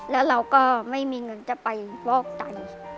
แล้วเราก็ไม่มีเงินจะไปฟอกตัน